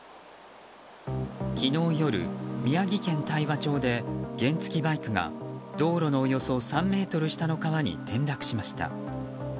昨日夜、宮城県大和町で原付きバイクが道路のおよそ３ｍ下の川に転落しました。